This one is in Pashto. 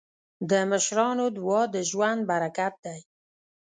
د مشرانو دعا د ژوند برکت دی.